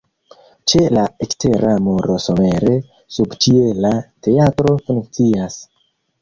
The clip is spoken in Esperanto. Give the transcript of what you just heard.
Ĉe la ekstera muro somere subĉiela teatro funkcias.